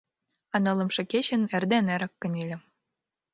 А нылымше кечын эрден эрак кынеле.